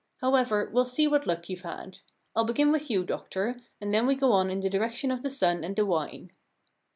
How ever, we*ll see what luck you've had. Til begin with you, doctor, and then go on in the direction of the sun and the wine.'